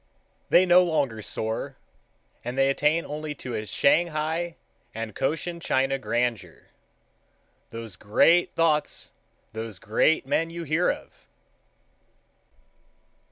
They no longer soar, and they attain only to a Shanghai and Cochin China grandeur. Those gra a ate thoughts, those gra a ate men you hear of!